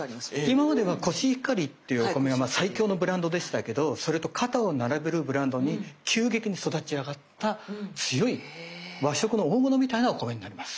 今まではコシヒカリっていうお米は最強のブランドでしたけどそれと肩を並べるブランドに急激に育ち上がった強い和食の大物みたいなお米になります。